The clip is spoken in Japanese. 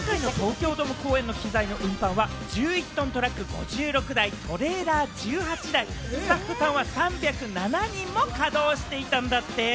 今回の東京ドーム公演の機材の運搬は、１１ｔトラック５６台、トレーラー１８台、スタッフさんは３０７人も稼働していたんだって！